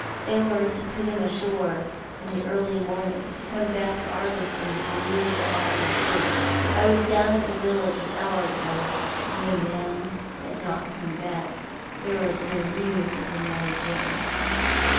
They were to put him ashore in the early morn ing, and to come back to Ardliston with the news that all was safe. I was down at the village an hour ago, and the men had not come back. There was no news of the Mary Jane.""